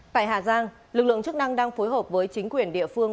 tại hà giang lực lượng chức năng đang phối hợp với chính quyền địa phương